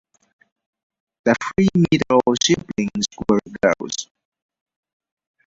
The three middle siblings were girls.